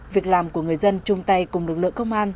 việc làm của người dân chung tay cùng lực lượng công an